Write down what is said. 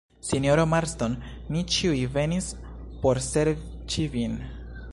Sinjoro Marston, ni ĉiuj venis por serĉi vin.